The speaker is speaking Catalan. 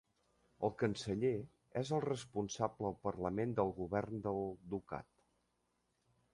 El canceller es el responsable al Parlament del govern del ducat.